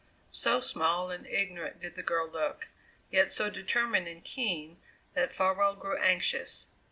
So small and ignorant did the girl look, yet so determined and keen, that Farwell grew anxious.